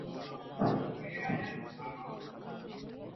ওহ, ভাবতেই পারছিলাম না কোথাও হারিয়ে গেলি নাকি।